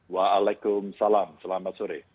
waalaikumsalam selamat sore